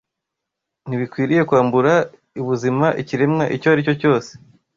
Ntibikwiriye kwambura ubuzima ikiremwa icyo aricyo cyose